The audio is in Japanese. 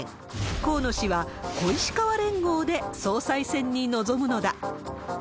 河野氏は小石河連合で総裁選に臨むのだ。